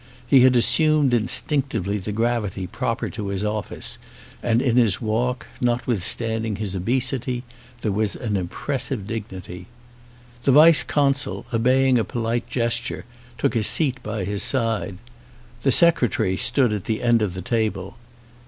He had assumed instinctively the gravity proper to his office and in his walk, notwith standing his obesity, there was an impressive dignity. The vice consul, obeying a polite gesture, took a seat by his side. The secre tary stood at the end of the table.